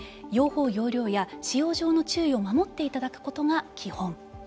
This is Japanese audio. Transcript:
用法・用量や使用上の注意を守っていただくことが基本。